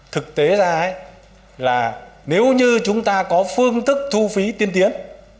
thực tế ra là nếu như chúng ta có phương thức thu phí tiên tiến